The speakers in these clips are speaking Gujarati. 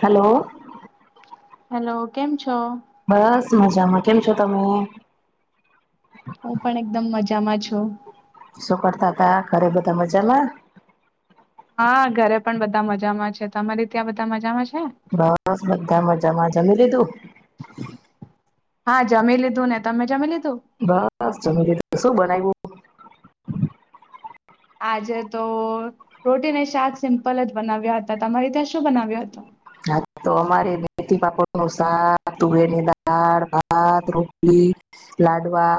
હાલો. હેલો, કેમ છો? બસ મજામાં કેમ છો તમે હું પણ એકદમ મજામાં છો શું કરતા તા ઘરે બધા મજા માં હા ઘરે પણ બધા મજામાં છે તમારી ત્યાં બધા મજામાં છે બસ બધા મજામાં જમી લીધું હા જમી લીધું ને તમે જમી લી બસ જમી લીધું શું બનાવ્યું આજે તો રોટીને શાક સિમ્પલ જ બનાવ્યા હતા તમારે ત્યાં શું બનાવ્યો હતું હા તો અમારે મેથી પાપડ નું શાક તુવેર ની દાળ ભાત રોટલી લાડવા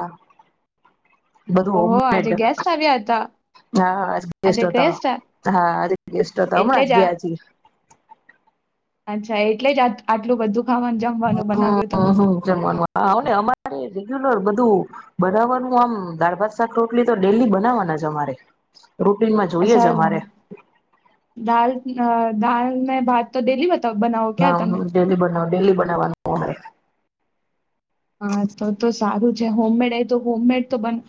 બધું ઓહો હોમ મેડ આજે ગેસ્ટ આવ્યા હતા. હા હ આજે ગેસ્ટ હતા હા આજે ગેસ્ટ એટલે હમણાં જ આ ગયા છે અચ્છા એટલે જ આટ આટલું બધું ખાવાનું જમવાનું બનાવ્યું તમે હમમ હમમ જમવામાં આવાને અમારે હા બધું બનાવવાનું આમ દાળ ભાત શાક રોટલી તો ડેલી બનાવાના છે અમારે રૂટીનમાં જોઈએ જ અચ્છા અમારે અ દાલ ને ભાત તો ડેલી બંને હા હુ ડેલી બનાવું ડેલી બનાવવાનું અમારે હા તો તો સારું છે હોમમેડ એ તો હોમમેડ તો બને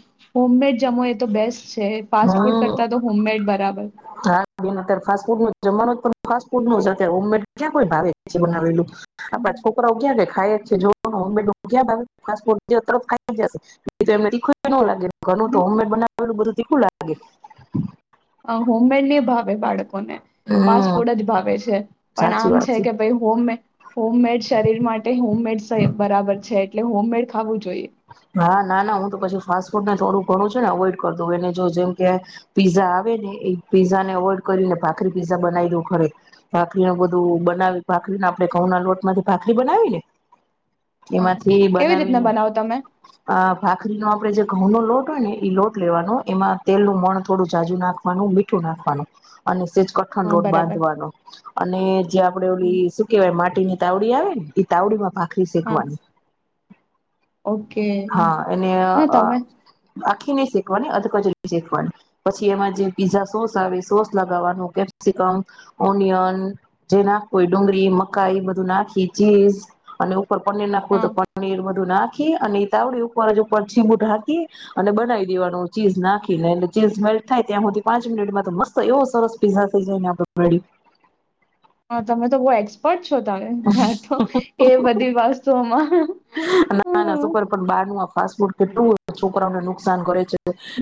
હોમમેડ જમો એ તો બેસ્ટ છે ફાસ્ટ ફૂડ હમ કરતા તો હોમમેડ બરાબર. હા બેન અત્યારે ફાસ્ટ ફૂડ નું જમવાનું પણ ફાસ્ટ ફૂડ નું જ અત્યારે હોમમેડ ક્યાં કોઈને ભાવ છે બનાવેલું બાપા છોકરાઓ ક્યારે ખાય ખાય જ છે જોઈ લો ને હોમમેડ ક્યાં ભાવે ફાસ્ટ ફૂડ ડયો તરત ખાઈ લેશે એમને તીખું પણ નહી લાગે ઘર નું તો હોમમેડ બનાવેલું બધું તીખું લાગે અ હોમમેડ ને ભાવે બાળક આપોને ફાસ્ટ હમ ફૂડ જ ભાવે છે પણ સાચી આમ વાત છે કે ભાઈ હોમ હોમમેડ શરીર માટે હોમમેડ બરાબર છે એટલે હોમમેડ ખાવું જોઈ. હા. ના ના હું તો પછી ફાસ્ટ ફૂડને થોડું ઘણું છું ને અવોઈડ કર દઉ એને જો જેમ કે પીઝા આવે ને એ પીઝાનેવોઈડ કરીને ભાખરી પીઝા બનાવી દઉં ખડ ભાખરીને બધું બનાવી ભાખરીને આપણે ઘઉંના લોટ માંથી ભાખરી બનાવી ને હા કેવી રીતના બનાવો તમે અ ભાખરીનોો આપે જે ઘઉં નો લોટ હોય ને ઈ લોટ લેવાનો એમાં તેલનું મણ થોડું જાજુ નાખવાનું મીઠું નાખવાનું અને કઠન હા રોડ બરાબર બાંધવાનો અને જે આપડે ઓલી હમ, શું કેવાય માટીની. તવડી આવે ઈ તવડી. બાખરી હા શેખવાની. ઓકે હા તમે. આખી ન શેખવાની અધકચરી શેખવાની પછી એમાં જે પીઝા સોસ આવે સોસ લગાવવાનું કેપ્સિકમ ઓનિયન જે નાખવ ડુંગળી મકાઈ બધું નાખી ચીઝ અને. પ નીર નાકું હા તો પ નીર મધું ના. અને. તાવડી ઉપર જ ઉપર છીબુઢાખી અને બનાવી દેવાનું ચીઝ નાખીને એટલે ચીઝ મેલ્ટ થાય ત્યાં હથી પાંચ મિનિટમાં તો મસ્ત એવો સરસ પીઝા થઈ જાય ને આપ મે. હ તમે તો બહુ એક્સપર્ટ ો ત ત્યાં તો એ બધી વસ્તુઓમાં. ના ના હા શકર પણ બાર નું આપ. ફાસ્ટ ફૂડ કેટલું છોકરાઓને નુકસાન કરે છે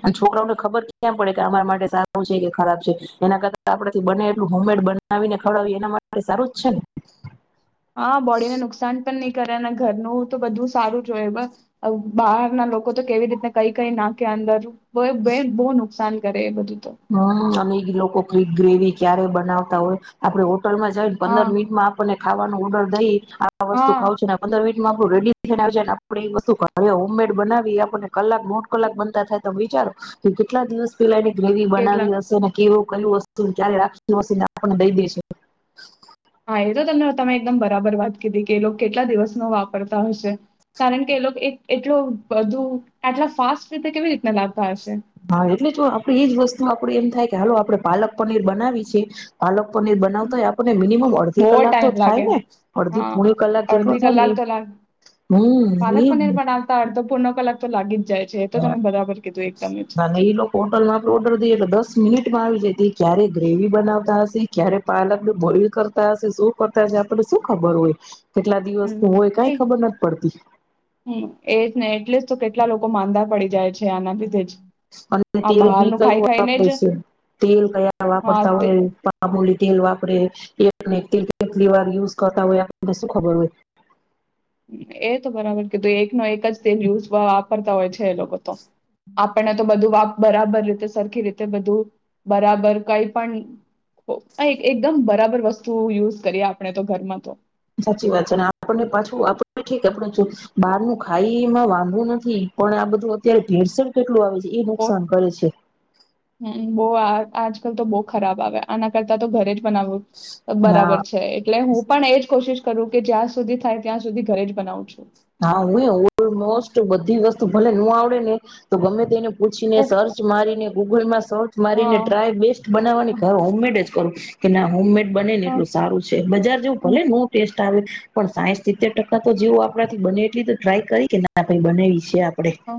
અને છોકરાઓને ખબર કેયાંમ પડે કે અમારા માટે સારું છે કે ખરાબ છે એના કરતા આપડથી બને એટલું હોમમેડ બનાવીને ખવડાવીએ એના માટે સારું જ છે ને હા બોડી ને નુકસાન પણ નહી કરે અને ઘરનું તો બધું સારું જોય બહાર ના લોકો તો કેવી રીતના કઈ કઈ નાખે અંદર બ બે બહુ નુકસાન ઘે એ બધું. તો હમ અને લોકો ક ગ્રેવી ક્યારે બનાવતા હોય આપડે. હોટલમાં જઈને હા પંદર મિનિટમાં આપણને ખાવાનું ઓર્ડર દઈ આ વસ્તુ હા ખાવ છે પંદર મિન આપું રેડી થઈને આવને આપડે એ વસ્ત હવે હોમમેડ બનાવી આપણને કલાક દોઢ કલાક બનતા થાય તમે વિચારો કે કેટલા દિવસ પેલા એને ગ્રેવી કેટલા બનાવી હશે ને કેવો કંઈ વસ્તુ ક્યાય રાખી વસે ને આપણને દઈ દેશ. હા, એ તો તમને તમે એકદમ બરાબર વાત કીધી કે એ લોક કેટલા દિવસનો વાપરતા હશે. કારણ કે એ લોક એક એટલો બધું આટલા ફાસ્ટ રીતે કેવી રીતના લાગ ભાર એટલે તો આપડે એજ વસ્તુ આપ પડે એમ થાય કે હાલો આપડે પાલક પનીર બનાવી છે પાલક પોદલી હમ, બનાવતા હોય આપનને મિનિમમ અડધી બહુ કલાક તો ટાઈમ થાય લાગે ને, અડધી હા પોણી કલાક જેટલો અડધી થાય ને એ કલાક તો લાગ હમ, પાલક એજ પનીર ને. બનાવતા અડધો પૂર્ણ કલાક તો લાગે. હ, ના અન એ લોકોન તો લાંબો ઓર્ડર દઈે એટલે દસ મિનિટમાં આવી જાયતી. ક્યારે ગ્રેવી બનાવતા હશે ક્યારે પાલકને બોઇલ કરતા હશે શું કરતા હશે આપને શું ખબર હોય. કેટલા હમ દિવસનું હોય કાઈ એ ખબર નથ પડતી. ટલા લોકો માંદા પડી જાય છ હમ, અને તેલ ભી ખાઈ કયું ખાઈને વાપરે જ છે, તેલ કયા હા વાપરતા તે હોય એ પામૂલી તેલ વાપરે [unintelligible] કેટલી વાર યુઝ કરતા હોય આપનને શું ખબર હોય. એ તો બરાબર કીધું એકનો એક જ તેલ યુઝ વાપરતા હોય છ તો એ લોકો તો આપણને તો બધું વા બરાબર રીતે સરખી રીતે બધું બરાબર કાઈ પણ ઓ આએ એકદમ બરાબર વસ્તુ યુઝ કરીએ આપણે તો ઘરમાં તો સાચી વાત છે ને આપણને પાછું આપ ઠીક આપડે જો બહારને ખાઈ ઈમાં વાંધો નથી, પણ આ બધું અત્યારે ભેરસેળ કેટલું આવે એ ઓ નુકસાન કરે છે. હમ બહુ આ આજકાલ તો બહુ ખરાબ આવે આના કરતા તો ઘરે જ બનાવું હા બરાબર છે, એટલે હું પણ એજ કોશિશ કરું કે જ્યાં સુધી થાય ત્યાં સુધી ઘરે જ બનાવું છું. હા, હું ઓલમોસ્ટ બધી વસ્તુ ભલે ન નો આવડે ને તો ગમે તેને પૂછીને તો સર્ચ મારીને ગૂગલમાં સ સર્ચ મારીને હા ટ્રાય બેસ્ટ બનાવવાની હા ઘર હોમમેડ જ. કરું કે ના હોમમેડ બને ને હા, એટલું સારું છે બજાર જેવું હા. ભલે નો ટેસ્ટ આવે પણ સાહેઠ સિત્તેર ટકા તો જેવું આપ પરાથી બને એટલી તો ટ્રાય કરી કે ના ભઈ બનેવી છે આ. હ,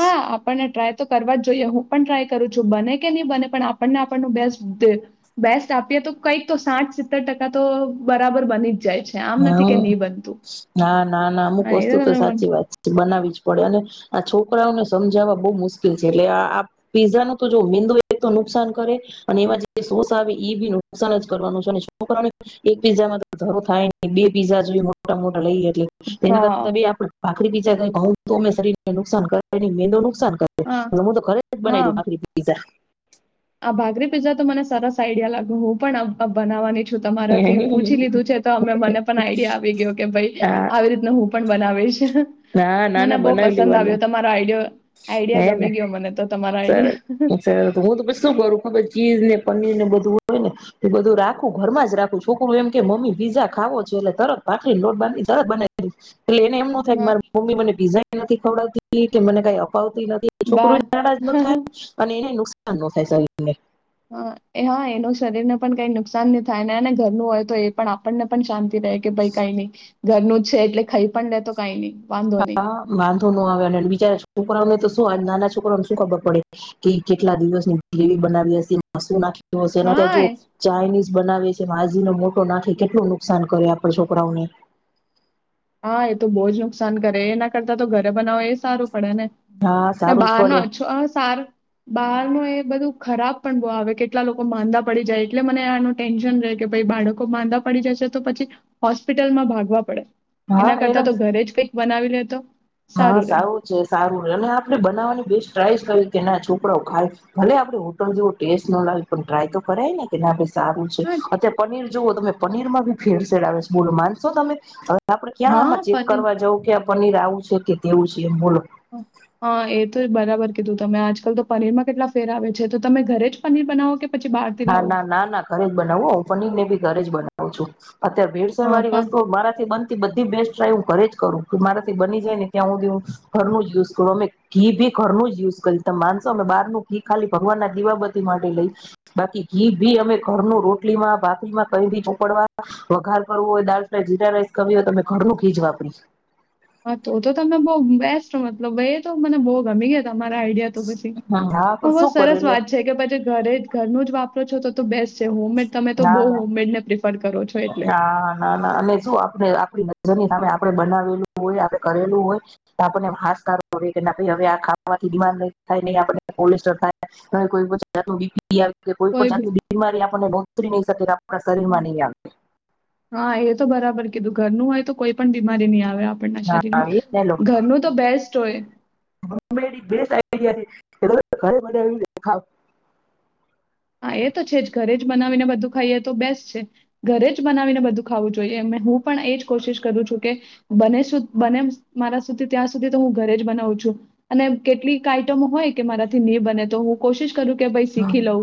હા, આપણને ટ્રાય તો કરવા જ જોઈએ હું. પન ટ્રાય કરું છું બને કે નહી બને પણ આપણને આપણનું બેસ્ટ જોઈએ, બેસ્ટ આપીએ તો કંઈક તો સાઠ સિત્તેર ટકા તો બરાબર બની જ જાય છે આમ હ, નથી કે નહીં બનતું ના ના ના અમુક હા એ વસ્તુ તો તમે પણ. સાચી વાત છે, બનાવી જ પડે અને આ છોકરાઓને સમજાવવા બહુ મુશ્કેલ છે, એટલે આ આ પીઝાનું તો જો મેંદુ એ તો નુકસાન કરે, અને એમાં જે સોસ આવે ઈ બી નુકસાન જ કરવાનું છે, અને છોકરાઓને એક પીઝામાં તો ધરો થાય બે પીઝા જી મોટા મોટા લઈ એટલે તેના કરતા હા આપણે ભખરી પિઝા તોમેં શરીરને નુકસાન કરેની મેનનું [unintelligible] [inaudible] નુકસાન કર હા હું તો ખરે જ બનાવી હા દઉ ભાકરી પીઝા. [inaudible] આ ભાખરી પીઝા તો મને સરસ આઈડિયા લાગ્યો હું પણ બનાવવાની તમારાથી પૂછી લીધું છે તો અમે મને પણ આઈડિયા આવી ગયો કે ભાઈ હા આવી રીતને હું પણ બનાવિષ ના ના મને ના બહુ બનાવી પસંદ લેવાનું આવ્યો તમારો આઈડયો હે આઈડિયા ને ગમી ગયો મને તો તમારા સરસ આઈડિયા. સરસ હું તો પછી શું કરું ખબર ચીઝ ને પનીર ને બધું હોય ને એ બધું રાખું ઘરમાં જ રાખું છોકરું એમ કે મમ્મી પીઝા ખાવો છે એટલે તરત ભાખરી લોટ તરત બનાવી દવ એટલે એને એમ ન થાય કે મારે મમ્મી મને પીઝા નથી ખવડાવતી કે મને કઈ અપાવતી નથી છોકરુ બા નારાજ ન થાય હા અને એને નુકશાન નુકસાન ન થાય શરીર ને હા એ હા એનું શરીરને પણ કઈ નુકસાન ન થાય નેને ઘરનું હોય તો એ પણ આપણને પણ શાંતિ કે ભાઈ કાઈ ની ઘરનું જ છે એટલે ખાઈ પણ લેતો કાઈ ની હા વાંધો ન આવે અને બીચારા છોકરાને તો નાના છોકરોને શું ખબર પડે કે કેટલા દિવસ ની ગ્રેવી બનાવી હશે શું નાખી હા [unintelligible] જો એ- ચાઇનીઝ બનાવે આજીનોમોટો નાખે કેટલું નુકસાન કરે આપણે છોકરાઓને હા એ તો બો જ નુકસાન કરે એના કરતા તો ઘરે બનાવો એ સારું પડે હા ને સારું જ પડે બહારનોછો સાર બહાર નો એ [unintelligible] બધું ખરાબ પણ બો આવે કેટલા લોકો માંદા પડી જાય એટલે મને આનું ટેન્શન રેય કે ભાઈ બાળકો માંદા પડી જશે છે તો પછી હોસ્પિટલમાં ભાગવા પડે હા એના એને કરતા તો ઘરે જ કઈક બનાવી લેય તો હા સારું છે સારું રેર અને આપડે બનાવવાની બેસ્ટ ટ્રાઈ કરી કે ના છોકરાઓ ખાય ભલે આપડે હોટલ જેવો ટેસ્ટ ન લાગે પણ ટ્રાય તો કરાય ને કે સારું છે હા અત્યારે પનીર જુઓ તમે પનીરમાં ભી ભેળસેળ આવે છે બોલો માનશો તમે અવે આપડણે ક્યાં હા આમાં ચેક પનીર કરવા જવં કે પનીર આવું છે કે તેવુ છે એમ બોલો હ એ તો બરાબર કીધું તમે આજકાલ તો પનીરમાં કેટલા ફેર આવે છે. તો તમે ઘરે જ પનીર બનાવો કે પછી બહારથી ના લાવો ના ના ના ઘરે જ બનાવું. હુ પનીરને બી ઘરે જ બનાવું આવજો. અત્યારે ભેડસેડ હા વાળી પણ વસ્તુઓ મારાથી બનતી બધી બેસ્ટ કયાય હું ઘરે જ કરું મારાથી બની જાય ને ત્યાં હું ઘરનું જ યુઝ કરું અમે ઘી ભી ઘરનું જ યુઝ કરી તમ માનશો અમે બહારનું ઘી ખાલી ભગવાનના દીવાબતી માટે લઈ બાકી ઘી ભી અમે ઘરનું રોટલીમાં ભાખરીમાં કઈ ભી ચોપડવા વઘાર કરવું હોય દાલ-ફ્રાય, જીરા-રાઈસ કરવી હોય તો અમે ઘરનું ઘીજ વાપરી હા તો તો તમે બઉ બેસ્ટ મતલબ એ તો મને બઉ ગમી તમારા આઈડિયા તો પછી હા પણ [unintelligible] શું સરસ કરે એટલે વાત છે કે પછી ઘરે ઘરનું જ વાપરો છો તો તો બેસસે હોમ મેટ ના એટલે ના હા હા અને શું આપડે આપડી જેની હામે આપડે બનાવેલું હોય. આપ કરેલું હોય તો આપડને આમ હાસકારો રે કે ના ભઈ હવે આ ખાવાથી બિમાર નઈ થાય. નઈ આપડે કોલેસ્ટર થાય. ના કોઈ જાતનું બીપી [unintelligible] આવી રીતે કોઈ પણ જાતની બીમારી આપડને ન ત્રિ નહિ શકેરા હા એ તો બરાબર કીધું ઘરનું હોય તો કોઈ પણ બીમારી નઈ આવે આપણના ના શરીરમાં એ ઘરનું તો બેસ્ટ હોય [unintelligible] ઘરે બધા એવુ દેખાવ [unintelligible] હા એ તો છે જ ઘરે જ બનાવીને બધું ખાઈએ તો બેસ્ટ છે. ઘરે જ બનાવીને બધું ખાવું જોઈએ. હું પણ એજ કોશિશ કરું છું કે બને સુધ બને મારા સુધી ત્યાં સુધી તો હું ઘરે જ બનાવું છું. અને કેટલીક આઈટમ હોય કે મારાથી નઈ બને તો હું કોશિશ કરું કે ભાઈ શીખી લઉ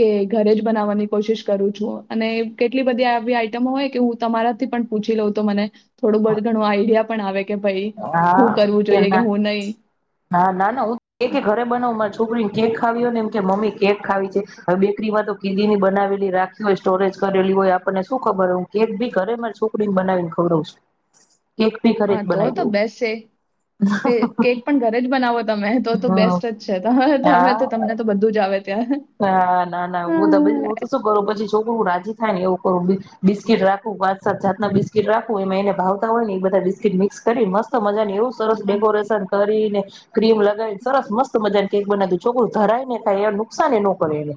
કે ઘરે જ બનાવવાની કોશિશ કરું છું. અને કેટલી બધી આવી આઈટમો હોય કે હું તમારાથી પણ પૂછી લઉ તો મને થોડું બધું ઘણું આઈડિયા પણ અવે હા કે ના. નહીં ના ના હું [unintelligible] ઘરે બનાવ માર છોકરી કેક ખાવી હોય ને એમ કે મમ્મી કેક ખાવી છે. હવે બેકરીમાં તો કેદીની બનાવેલી રાખી હોય સ્ટોરેજ કરેલી હોય આપડને શું ખબર હોય. હું કેક ભી ઘરે માર છોકરીન બનાવીને ખવડાઉં છું. કેક બી કરે હા તો તો બેસ્ટ છે. કેક પણ ઘરે જ બનાવો તમે તો તો હમ બેસ્ટ જ છે. તમાર તમે તો હા તમને તો બધું જ આવ હા ના ના હું [unintelligible] હું હા, તો શું કરુ પછી છોકરુ રાજી થાય ને એવું કરું. બિસ્કીટ રાખું પાંચ સાત જાતના બિસ્કીટ રાખુ. એમાં એને ભાવતા હોય ને એ બધાય બિસ્કીટ મિક્સ કરી મસ્ત મજાની એવું સરસ ડેકોરેશન કરીને ક્રીમ લગાવીને સરસ મસ્ત મજા ન કેક બનાવ દઉ છોકરું ધરાયને ખાય એ શાને ન કરે એને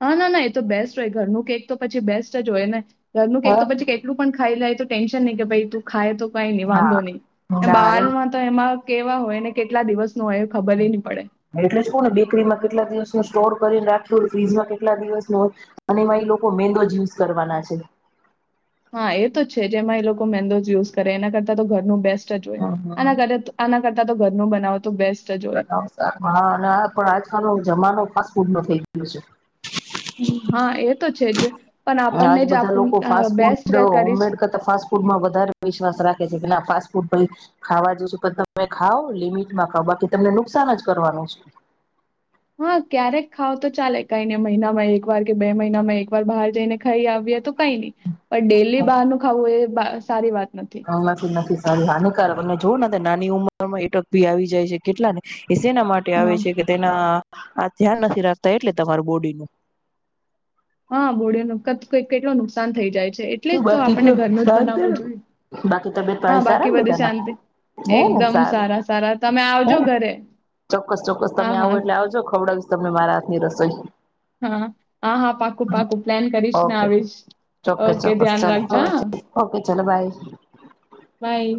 અ ના ના એ તો બેસ્ટ રેય. ઘરનું કેક તો પછી બેસ્ટ જ હોય ને ઘરનું કેક હા તો પછી કેટલું પણ ખાઈલાઈ તો ટેન્શ તને કે ભઈ તું ખાય તો કઈ નઈ વાંધો હા નહી ને ના બહાર એમ માં તો એમાં કેવા હોય ને કેટલા દિવસ એટલે જ કોઉ ને બેકરીમાં કેટલા દિવસનું સ્ટોર કરીને રાખું ફ્રીજમાં કેટલા દિવસ ન હોય અને એમાં એ લોકો મેંદો જ યુઝ કરવાના છે. હા એ તો છે જ જેમાં એ લોકો મેંદોઝ યુઝ કરે એના કરતા તો ઘરનું બેસ્ટ જ હોય આના કરતા તો આના કરતા તો ઘર [unintelligible] બવ [unintelligible] હા ના પણ આજકાલનો જમાનો ફાસ્ટ ફૂડ નો થઈ ગયો [unintelligible] છે. હમ, હા એ તો છે જ પણ આજ આપણને જ બધા આપણ લોકો ફાસ્ટ બેસ્ટ ફૂડ કરીશ હોમમેડ કરતા ફ્ટ ફૂડમાં વધારે વિશ્વાસ રાખે છે કે ના ફાસ્ટ ખાવા જોશું તમે ખાવ લિમિટમાં ખાવ બાકી તને નુકસાન જ કરવાનું છે. હા ક્યારેક ખાવ તો ચાલે કઈ ને મહિનામાં એક વાર કે બે મહિનામાં એક વાર બહાર જઈને ખાઈ આવએ તો કઈ નહી પણ ડેલી બહારનું ખાવું એ સારી વાત. નથી અલ્લાફિદ નાફી નાની કાર તને જોવ ને નાની ઉંમરમાં એટક પી આવી જાય છે કેટલા ને પ જેના માટે આવે હા છે કે તેના આ ધ્યાન નથી રાખતા એટલે તમાર બોડીનું [inaudible] હા બોળિ ન કેટું નુકસાન થઇ જાય. છે એટલે શું જ તો બાકી આપણને કયો ઘરનું જ સારુંને બનાવવું જોઈએ બાકી તબિયત હા પાણી સારા બાકી ને બધી બધાના શાંતિ હે ને એકદમ સારા સારા તમે આવજો સારું ઘરે ચોક્કસ ચોક્કસ તમે હા આવો હા એટલે આવજો ખવડાવીશ તમને મારા હાથ ની રસોઈ હા હા હા પાકું પાકું પ્લાન કરીશ ને ઓકે આવીશ ઓ [unintelligible] ઓકે ચલો બાય બાય